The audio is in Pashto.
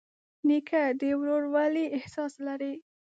نیکه د ورورولۍ احساس لري.